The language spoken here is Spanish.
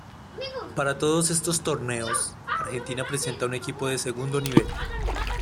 Para todos estos torneos, Argentina presenta un equipo de segundo nivel.